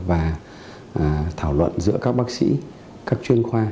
và thảo luận giữa các bác sĩ các chuyên khoa